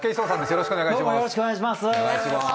よろしくお願いします